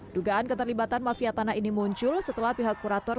dugaan keterlibatan mafia tanah ini muncul setelah pihak kurator